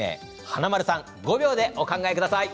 華丸さん、５秒でお考えください。